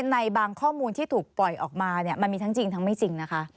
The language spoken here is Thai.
ในบางข้อมูลที่ถูกปล่อยออกมาเนี่ยมันมีทั้งจริงทั้งไม่จริงนะคะ